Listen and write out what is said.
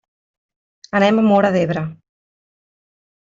Anem a Móra d'Ebre.